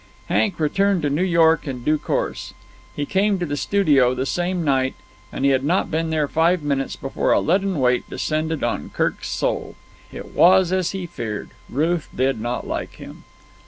Hank returned to New York in due course. He came to the studio the same night, and he had not been there five minutes before a leaden weight descended on Kirk's soul. It was as he had feared. Ruth did not like him.